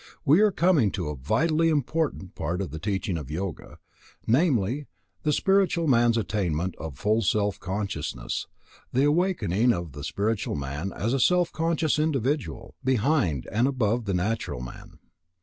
We are coming to a vitally important part of the teaching of Yoga: namely, the spiritual man's attainment of full self consciousness, the awakening of the spiritual man as a self conscious individual, behind and above the natural man.